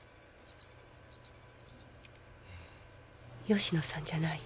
吉野さんじゃない。